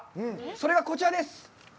それがこちらです。